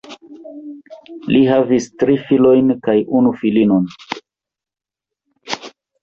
Li havis tri filojn kaj unu filinon.